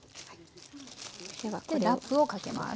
ラップをかけます。